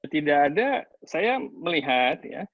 tidak ada saya melihat ya